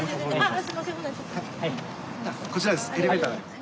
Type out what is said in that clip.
こちらです。